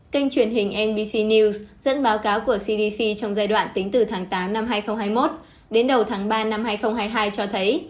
kênh truyền hình nbc news dẫn báo cáo của cdc trong giai đoạn tính từ tháng tám năm hai nghìn hai mươi một đến đầu tháng ba năm hai nghìn hai mươi hai cho thấy